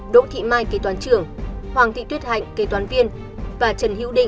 đỗ thị mai kế toán trưởng hoàng thị tuyết hạnh kế toán viên và trần hữu định